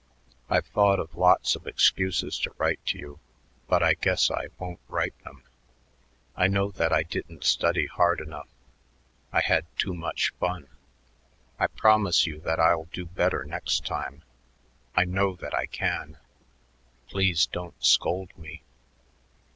I've thought of lots of excuses to write to you, but I guess I won't write them. I know that I didn't study hard enough. I had too much fun. I promise you that I'll do better next time. I know that I can. Please don't scold me.